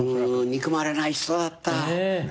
憎まれない人だった。